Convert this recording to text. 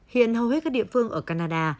hiện hầu hết các địa phương ở canada